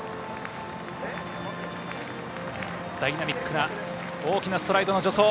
ダイナミックな大きなストライドの助走。